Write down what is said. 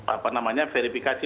apa namanya verifikasi